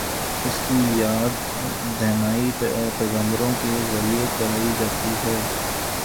اس کی یاد دہانی پیغمبروں کے ذریعے کرائی جاتی ہے۔